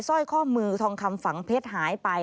สร้อยข้อมือทองคำฝังเพชรหายไป